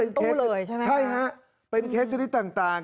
มาเป็นเค้กสิริตาง